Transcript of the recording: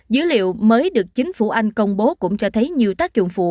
dữ liệu mới được chính phủ anh công bố cũng cho thấy nhiều tác dụng phụ